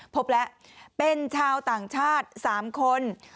พบแล้วเป็นชาวต่างชาติ๓คน